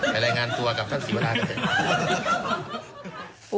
ไปรายงานตัวกับท่านศิวาราค่ะ